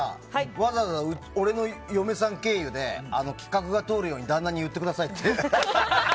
わざわざ俺の嫁さん経由で企画が通るように旦那に言ってくださいって。